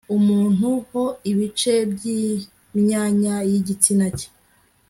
umuntu ho ibice by imyanya y igitsina cye